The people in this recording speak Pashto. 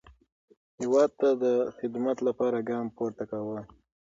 هیواد ته د خدمت لپاره ګام پورته کاوه.